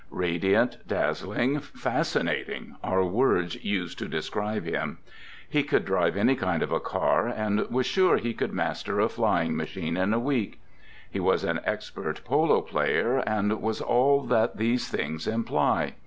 Radiant, dazzling, fas cinating are words used to describe him. He could drive any kind of a car, and was sure he could master a flying machine in a week; he was an expert polo player, and was all that these things imply.